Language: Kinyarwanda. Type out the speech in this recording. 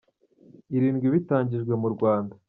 Irindwi bitangijwe mu Rwanda.